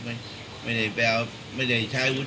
ไม่ได้ใช้หุ้นพอบริการหรืออะไร